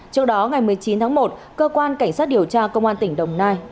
trước đó ngày một mươi chín tháng một cơ quan cảnh sát điều tra công an tỉnh đồng nai